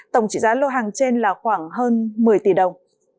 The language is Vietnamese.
tổng trị giá lô hàng trên là khoảng hơn một mươi tỷ đồng